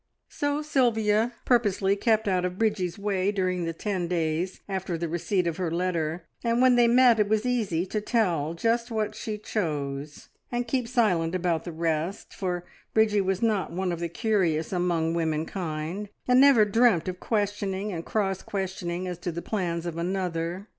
So Sylvia purposely kept out of Bridgie's way during the ten days after the receipt of her letter, and when they met it was easy to tell just what she chose, and keep silent about the rest, for Bridgie was not one of the curious among womenkind, and never dreamt of questioning and cross questioning as to the plans of another.